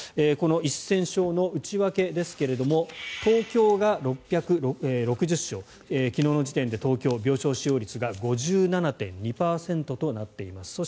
この１０００床の内訳ですが東京が６６０床昨日の時点で東京は病床使用率が５７．２％となっています。